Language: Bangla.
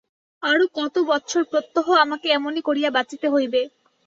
আরো কত বৎসর প্রত্যহ আমাকে এমনি করিয়া বাঁচিতে হইবে!